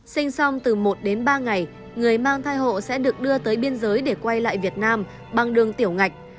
sinh xong từ một đến ba ngày người mang thai hộ sẽ được đưa tới biên giới để quay lại việt nam bằng đường tiểu ngạch